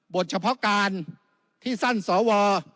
เฉพาะการที่สั้นสว